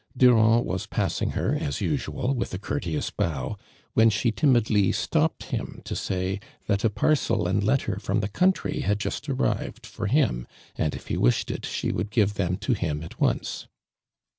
Durand was passing her as usual, with a courteous bow, when she timidly stopped him to say, "that a parcel and letter from the country had just arrived for him, and if he wished it, she would give them to him at once."